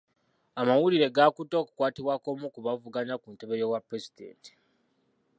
Amawulire gaakutte okukwatibwa kw'omu ku bavuganya ku ntebe y'obwa pulezidenti.